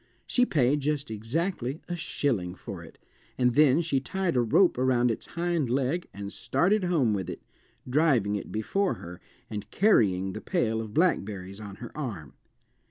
She paid just exactly a shilling for it, and then she tied a rope around its hind leg and started home with it, driving it before her, and carrying the pail of blackberries on her arm.